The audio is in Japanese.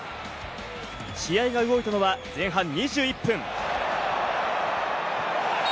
試合が動いたのは前半２１分。